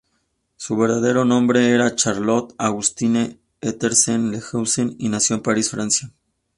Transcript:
Su verdadero nombre era Charlotte Augustine Hortense Lejeune, y nació en París, Francia.